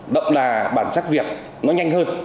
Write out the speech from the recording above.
đậm là bản sắc việt nó nhanh hơn